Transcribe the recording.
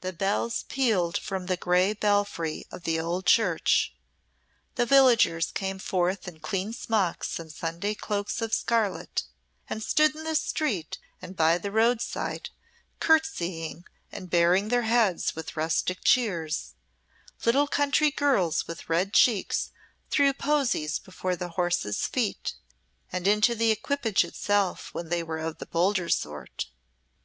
The bells pealed from the grey belfry of the old church; the villagers came forth in clean smocks and Sunday cloaks of scarlet, and stood in the street and by the roadside curtseying and baring their heads with rustic cheers; little country girls with red cheeks threw posies before the horses' feet, and into the equipage itself when they were of the bolder sort.